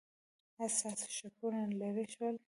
ایا ستاسو شکونه لرې شول؟